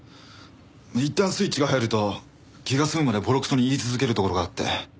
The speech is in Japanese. いったんスイッチが入ると気が済むまでボロクソに言い続けるところがあって。